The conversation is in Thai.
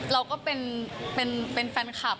เราก็เป็นแฟนคลับ